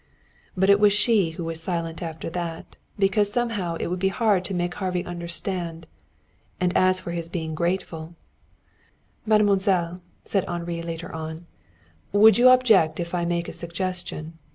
But it was she who was silent after that, because somehow it would be hard to make Harvey understand. And as for his being grateful "Mademoiselle," said Henri later on, "would you object if I make a suggestion?